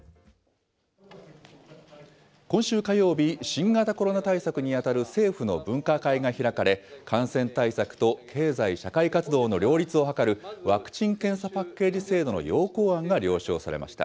今週火曜日、新型コロナ対策に当たる政府の分科会が開かれ、感染対策と経済社会活動の両立を図るワクチン・検査パッケージ制度の要綱案が了承されました。